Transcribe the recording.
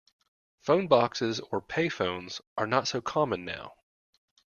Phone boxes or payphones are not so common now